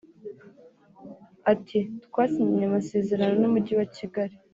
Ati "Twasinyanye amasezerano n’Umujyi wa Kigali